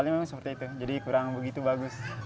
minimnya jumlah penduduk desa mengenyam pendidikan